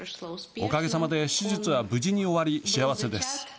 おかげさまで手術は無事に終わり幸せです。